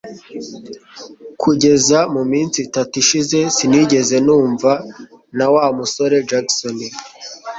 Kugeza muminsi itatu ishize sinigeze numva na Wa musore Jackson